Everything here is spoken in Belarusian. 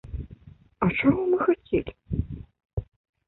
А чаго мы хацелі?